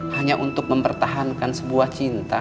hanya untuk mempertahankan sebuah cinta